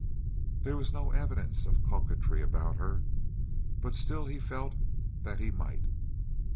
There were no evidences of coquetry about her, but still he "felt that he might."